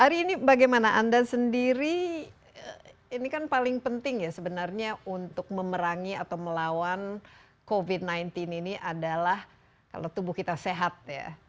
hari ini bagaimana anda sendiri ini kan paling penting ya sebenarnya untuk memerangi atau melawan covid sembilan belas ini adalah kalau tubuh kita sehat ya